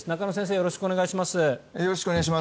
よろしくお願いします。